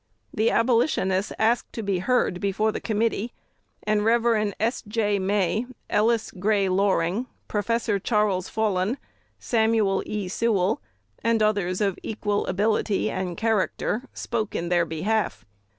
The Abolitionists asked to be heard before the committee; and Rev. S. J. May, Ellis Gray Loring, Prof. Charles Follen, Samuel E. Sewell, and others of equal ability and character, spoke in their behalf.